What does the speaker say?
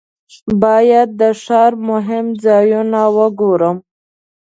باید د ښار مهم ځایونه وګورم.